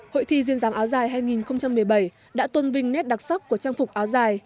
hội thi duyên dáng áo dài hai nghìn một mươi bảy đã tôn vinh nét đặc sắc của trang phục áo dài